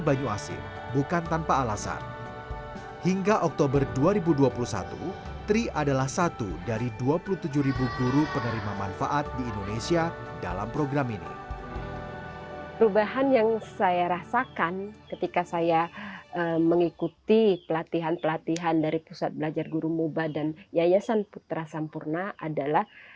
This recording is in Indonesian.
perubahan yang saya rasakan ketika saya mengikuti pelatihan pelatihan dari pusat belajar guru mubah dan yayasan putra sampurna adalah